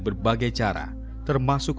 berbagai cara termasuk